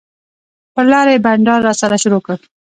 پر لاره یې بنډار راسره شروع کړ.